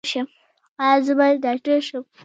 ایا زه باید ډاکټر شم؟